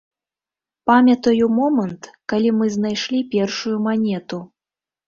Памятаю момант, калі мы знайшлі першую манету.